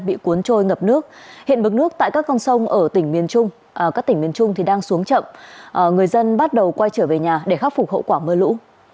bị cuốn trôi ngập nước hiện mức nước tại các con sông ở tỉnh miền trung thì đang xuống chậm người dân bắt đầu quay trở về nhà để khắc phục hậu quả mưa lũ